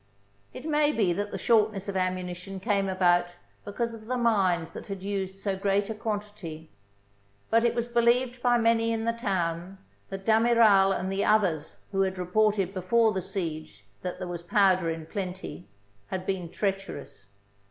It may be that the shortness of am munition came about because of the mines that had used so great a quantity; but it was believed by many in the town that D'Amiral and the others who had reported before the siege that there was powder in plenty had been treacherous.